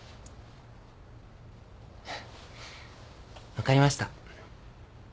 分かりました。